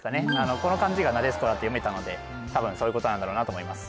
この漢字がなでしこだと読めたので多分そういうことなんだろうなと思います